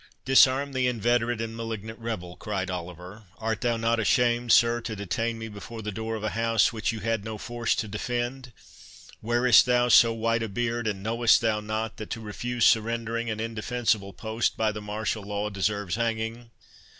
"Disarm the inveterate and malignant rebel," cried Oliver. "Art thou not ashamed, sir, to detain me before the door of a house which you had no force to defend? Wearest thou so white a beard, and knowest thou not, that to refuse surrendering an indefensible post, by the martial law, deserves hanging?"